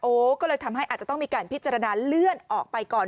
ก็เลยทำให้อาจจะต้องมีการพิจารณาเลื่อนออกไปก่อน